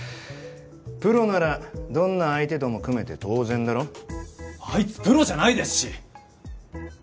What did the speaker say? プロならどんな相手とも組めて当然だろあいつプロじゃないですし！